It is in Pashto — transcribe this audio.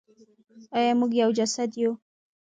آیا موږ یو جسد یو؟